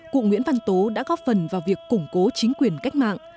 cụ nguyễn văn tố đã góp phần vào việc củng cố chính quyền cách mạng